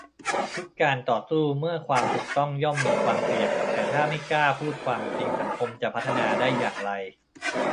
ทุกการต่อสู้เพื่อความถูกต้องย่อมมีความเสี่ยง แต่ถ้าไม่กล้าพูดความจริงสังคมจะพัฒนาได้อย่างไร ?